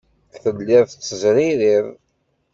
Telliḍ tettezririḍ.